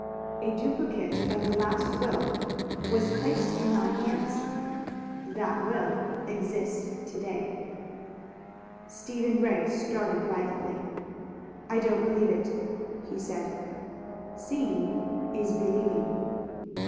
"A duplicate of the last will was placed in my hands. That will exists to day!" Stephen Ray started violently. "I don't believe it," he said. "Seeing is believing."